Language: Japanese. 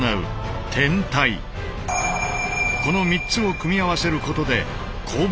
この３つを組み合わせることで攻防